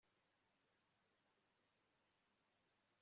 bwemeje ko abanyamerika bose